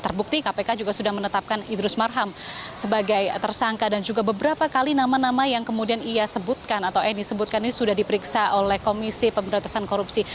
terbukti kpk juga sudah menetapkan idrus marham sebagai tersangka dan juga beberapa kali nama nama yang kemudian ia sebutkan atau eni sebutkan ini sudah diperiksa oleh komisi pemberantasan korupsi